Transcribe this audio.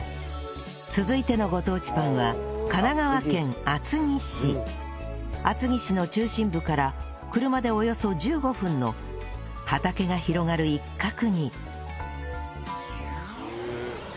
続いてのご当地パンは厚木市の中心部から車でおよそ１５分の畑が広がる一角に